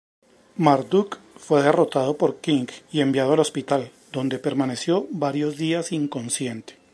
Marduk fue derrotado por King y enviado al hospital, donde permaneció varios días inconsciente.